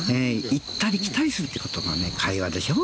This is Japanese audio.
行ったり来たりするってことが会話でしょ。